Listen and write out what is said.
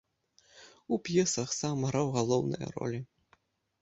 У п'есах сам граў галоўныя ролі.